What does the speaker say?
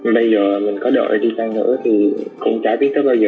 bây giờ mình có đợi đi sang nữa thì cũng chả biết tới bao giờ